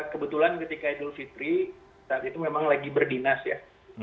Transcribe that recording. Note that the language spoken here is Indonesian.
kebetulan ketika idul fitri saat itu memang lagi berdinas ya